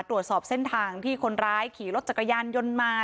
ตรวจสอบเส้นทางที่คนร้ายขี่รถจักรยานยนต์มา